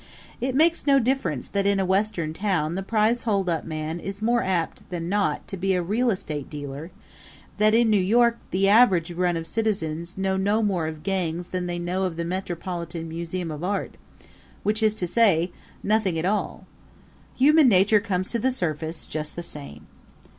It makes no difference that in a Western town the prize hold up man is more apt than not to be a real estate dealer; that in New York the average run of citizens know no more of the gangs than they know of the Metropolitan Museum of Art which is to say, nothing at all. Human nature comes to the surface just the same.